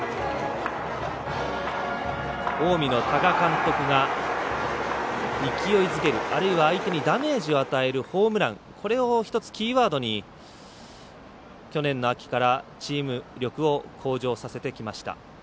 近江の多賀監督が勢いづけるあるいは相手にダメージを与えるホームランこれを１つキーワードに去年の秋からチーム力を向上させてきました。